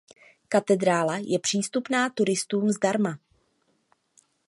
Katedrála je přístupná turistům zdarma.